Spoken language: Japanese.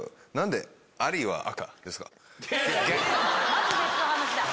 マジ別の話だ。